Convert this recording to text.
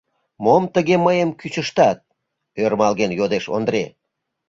— Мом тыге мыйым кӱчыштат? — ӧрмалген йодеш Ондре.